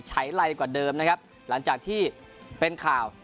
ไลกว่าเดิมนะครับหลังจากที่เป็นข่าว